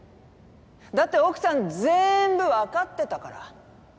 だって奥さん全部わかってたから。